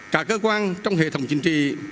cả cơ quan trong hệ thống chính trị